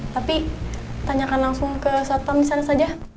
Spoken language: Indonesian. tapi tanyakan langsung ke satpam disana saja